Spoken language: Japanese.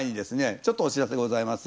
ちょっとお知らせございます。